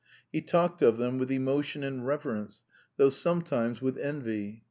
He talked of them with emotion and reverence, though sometimes with envy.